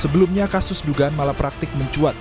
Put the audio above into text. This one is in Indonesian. sebelumnya kasus dugaan malah praktik mencuat